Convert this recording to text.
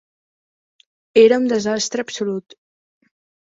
Era un desastre absolut.